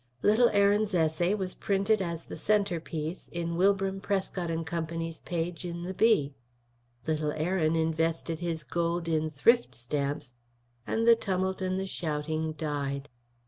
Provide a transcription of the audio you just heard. Little Aaron's essay was printed as the centre piece in Wilbram, Prescott & Co.'s page in the Bee; little Aaron invested his gold in thrift stamps, and the tumult and the shouting died.